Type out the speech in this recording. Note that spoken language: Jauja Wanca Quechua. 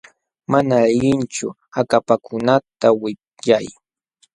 Mana allinchu akapakunata wipyay.